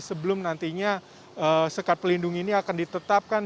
sebelum nantinya sekat pelindung ini akan ditetapkan